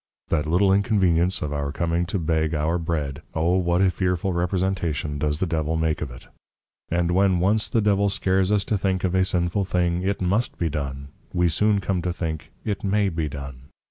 That little inconvenience, of our coming to beg our Bread, O what a fearful Representation does the Devil make of it! and when once the Devil scares us to think of a sinful thing, it must be done, we soon come to think, it may be done.